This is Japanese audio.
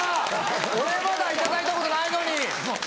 俺まだ頂いたことないのに。